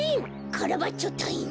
カラバッチョたいいん。